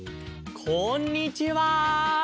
こんにちは。